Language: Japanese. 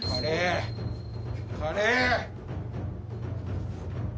カレー。